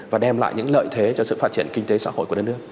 và đem lại những lợi thế cho sự phát triển kinh tế xã hội của đất nước